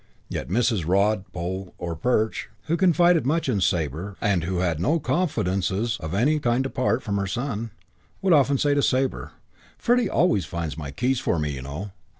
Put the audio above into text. Yet Mrs. Rod, Pole or Perch, who confided much in Sabre, and who had no confidences of any kind apart from her son, would often say to Sabre: "Freddie always finds my keys for me, you know.